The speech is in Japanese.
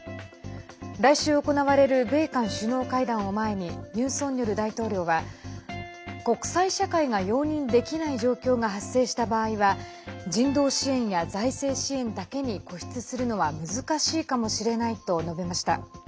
来週行われる米韓首脳会談を前にユン・ソンニョル大統領は国際社会が容認できない状況が発生した場合は人道支援や財政支援だけに固執するのは難しいかもしれないと述べました。